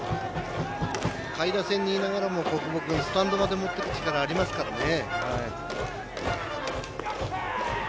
下位打線にいながらも小久保君スタンドまで、もっていく力ありますからね。